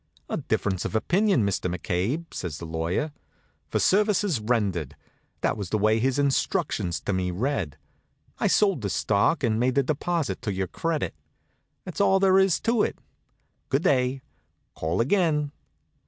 "A difference of opinion, Mr. McCabe," says the lawyer. "'For services rendered,' that was the way his instructions to me read. I sold the stock and made the deposit to your credit. That's all there is to it. Good day. Call again."